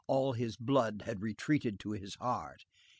All his blood had retreated to his heart.